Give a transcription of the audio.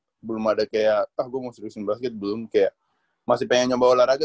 iya belum belum belum ada kayak ah gua mau strip simp basket belum kayak masih pengen nyoba olahraga